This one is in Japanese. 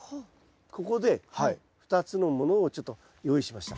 ここで２つのものをちょっと用意しました。